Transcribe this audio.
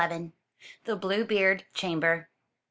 The Bluebeard Chamber.